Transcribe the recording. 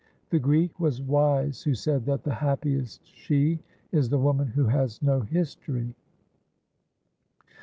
The G reek was wise who said that the happiest she is the woman who has no history.